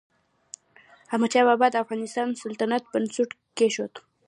احمدشاه بابا د افغان سلطنت بنسټ کېښود.